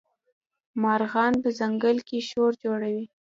مارغان په ځنګل کي شور جوړوي.